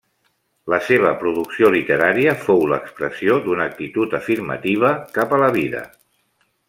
La seva producció literària fou l'expressió d'una actitud afirmativa cap a la vida.